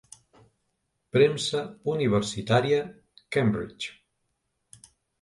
Premsa Universitària Cambridge.